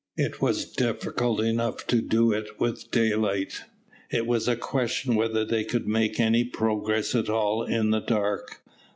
It was difficult enough to do it with daylight: it was a question whether they could make any progress at all in the dark.